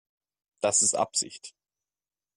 Das ist Absicht.